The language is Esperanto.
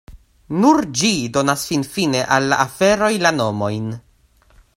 Nur ĝi donas finfine al la aferoj la nomojn.